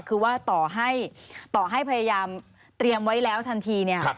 คือว่าต่อให้ต่อให้พยายามเตรียมไว้แล้วทันทีเนี่ย